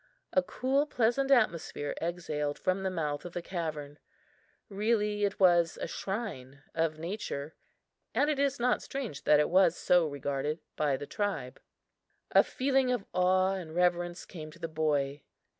A cool, pleasant atmosphere exhaled from the mouth of the cavern. Really it was a shrine of nature and it is not strange that it was so regarded by the tribe. A feeling of awe and reverence came to the boy.